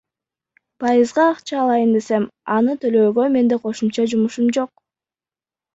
Пайызга акча алайын десем, аны төлөөгө менде кошумча жумушум жок.